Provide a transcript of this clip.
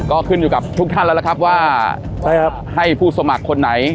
ก็ขึ้นอยู่กับทุกท่านแล้วล่ะครับว่าให้ผู้สมัครคนไหน